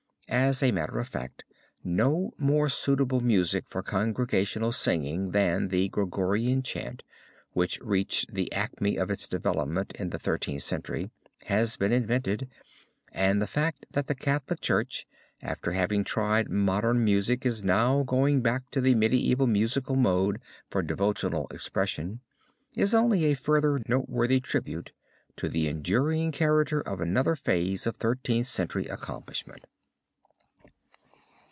As a matter of fact no more suitable music for congregational singing than the Gregorian Chant, which reached the acme of its development in the Thirteenth Century, has been invented, and the fact that the Catholic Church, after having tried modern music, is now going back to this medieval musical mode for devotional expression, is only a further noteworthy tribute to the enduring character of another phase of Thirteenth Century accomplishment.